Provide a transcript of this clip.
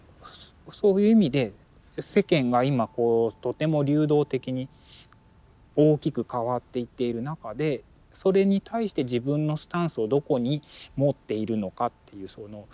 そういう意味で世間が今こうとても流動的に大きく変わっていっている中でそれに対して自分のスタンスをどこに持っているのかっていう。